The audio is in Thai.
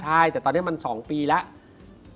ใช่แต่ตอนนี้มัน๒ปีแล้ว